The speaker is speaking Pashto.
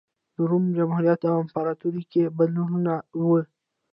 د روم جمهوریت او امپراتورۍ کې بدلونونه و